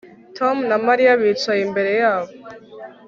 Tom na Mariya bicaye imbere yabo